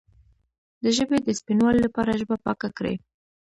د ژبې د سپینوالي لپاره ژبه پاکه کړئ